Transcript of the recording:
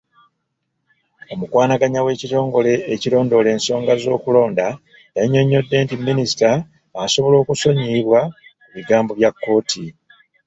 Omukwanaganya w'ekitongole ekirondoola ensonga z'okulonda, yannyonnyodde nti Minisita asobola okusonyiyibwa ku bigambo bya kkooti.